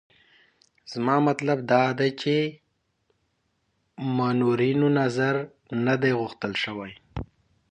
زما مطلب دا دی چې منورینو نظر نه دی غوښتل شوی.